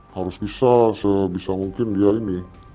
harus bisa sebisa mungkin dia ini